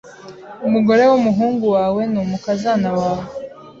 Umugore wumuhungu wawe ni umukazana wawe.